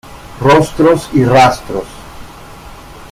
Rostros y Rastros.